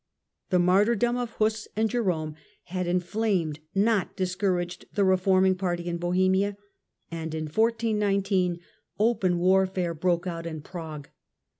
The martyrdom of Huss and Jerome had inflamed not discouraged the reforming party in Bohemia, and in 1419 open war fare broke out in Prague.